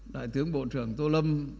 đại tướng bộ trưởng tô lâm